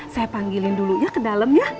saya panggilin dulunya ke dalam ya